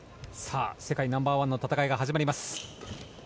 世界ナンバーワンの戦いが始まります。